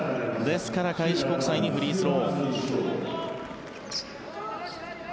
ですから開志国際にフリースロー。